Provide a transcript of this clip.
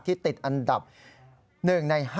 ติดอันดับ๑ใน๕